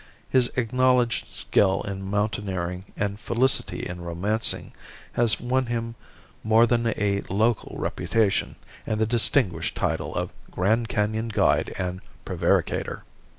His acknowledged skill in mountaineering, and felicity in romancing has won for him more than a local reputation and the distinguished title of Grand Canon Guide and Prevaricator.